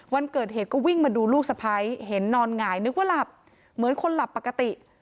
วันเกิดเหตุก็วิ่งมาดูลูกสะพ้ายเห็นนอนหงายนึกว่าหลับเหมือนคนหลับปกติ